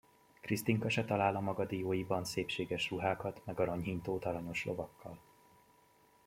Krisztinka se talál a maga dióiban szépséges ruhákat meg aranyhintót aranyos lovakkal!